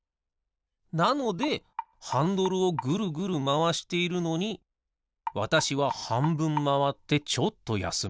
なのでハンドルをぐるぐるまわしているのにわたしははんぶんまわってちょっとやすむ。